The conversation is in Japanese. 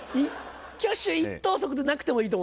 一挙手一投足でなくてもいいと思うんだよね。